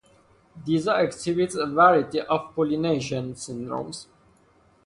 "Disa" exhibits a variety of pollination syndromes.